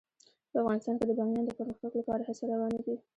په افغانستان کې د بامیان د پرمختګ لپاره هڅې روانې دي.